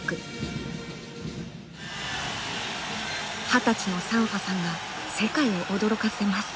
二十歳のサンファさんが世界を驚かせます。